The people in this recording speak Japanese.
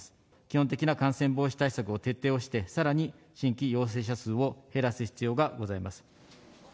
基本的な感染防止対策を徹底をして、さらに新規陽性者数を減らす必要がございます。